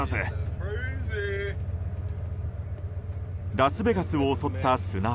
ラスベガスを襲った砂嵐。